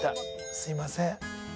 すいません。